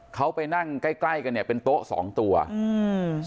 เขาไปนั่งใกล้ใกล้กันเนี้ยเป็นโต๊ะสองตัวอืม